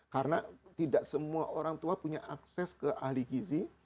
karena tidak semua orang tua punya akses ke ahli gizi